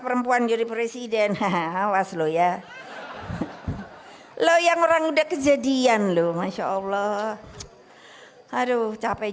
perempuan jadi presiden mas lo ya lo yang orang udah kejadian lu masya allah aduh capek